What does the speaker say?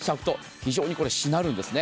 非常にしなるんですね。